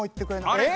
あれ？